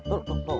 tuh tuh tuh